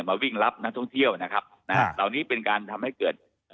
มาวิ่งรับนักท่องเที่ยวนะครับตอนนี้เป็นการทำให้เกิด